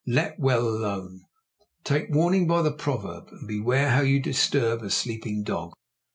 Let well alone. Take warning by the proverb, and beware how you disturb a sleeping dog.